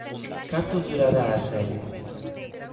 Canto durará a serie?